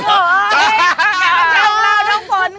แกะกลับมากราบเท้าฟ้อนค่ะ